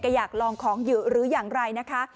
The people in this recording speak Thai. อยากลองของอยู่หรืออย่างไรนะคะ